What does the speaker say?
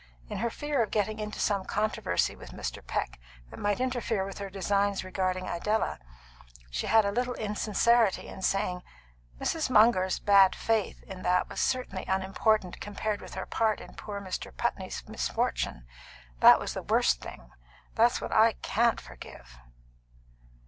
In her fear of getting into some controversy with Mr. Peck that might interfere with her designs regarding Idella, she had a little insincerity in saying: "Mrs. Munger's bad faith in that was certainly unimportant compared with her part in poor Mr. Putney's misfortune. That was the worst thing; that's what I can't forgive."